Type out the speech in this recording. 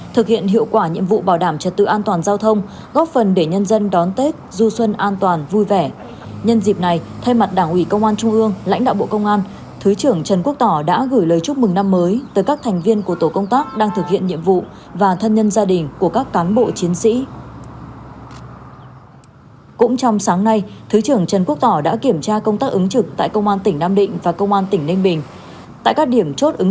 thưa quý vị trong dịp năm mới quý mão sáng nay thượng tướng trần quốc tỏ ủy viên trung ương đảng ủy công an trung ương đã đi kiểm tra công tác ứng trực và trúc tết tại công an một số đơn vị địa phương